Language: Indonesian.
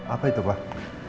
apa itu pak